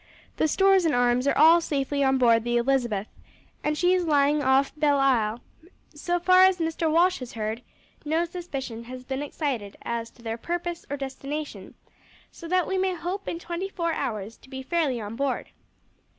The stores and arms are all safely on board the Elizabeth, and she is lying off Belleisle; so far as Mr. Walsh has heard, no suspicion has been excited as to their purpose or destination, so that we may hope in twenty four hours to be fairly on board."